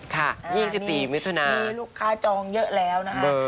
๒๔มิถุนามีลูกค้าจองเยอะแล้วนะคะ